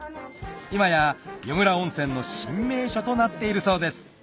今や湯村温泉の新名所となっているそうです